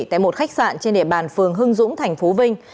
tại một khách sạn trên địa bàn phường hưng dũng tp vinh